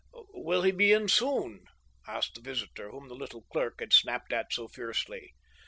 " Will he be in soon ?" asked the visitor, whom the little clerk had snapped at so fiercely.